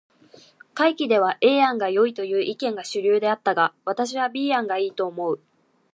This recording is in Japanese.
会議では A 案がよいという意見が主流であったが、私は B 案が良いと思う。